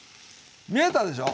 見えたでしょ？